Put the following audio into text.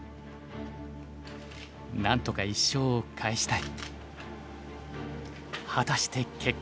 なんとか１勝を返したい。